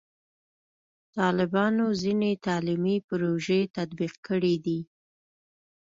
طالبانو ځینې تعلیمي پروژې تطبیق کړي دي.